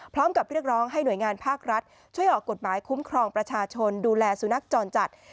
เรียกร้องให้หน่วยงานภาครัฐช่วยออกกฎหมายคุ้มครองประชาชนดูแลสุนัขจรจัด